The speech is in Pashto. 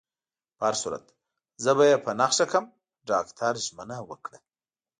په هر صورت، زه به يې په نښه کړم. ډاکټر ژمنه وکړه.